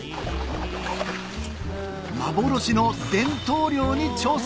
幻の伝統漁に挑戦